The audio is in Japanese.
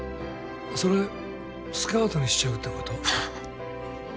それスカートにしちゃうってこと？